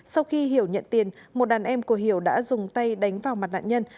sau khi hiểu nhận tiền một đàn em của hiểu đã dùng tay đánh vào mặt nạn nhân